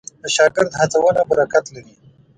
د شاګرد هڅونه برکت لري.